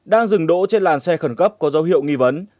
đang dừng đỗ trên làn xe khẩn cấp có dấu hiệu nghi vấn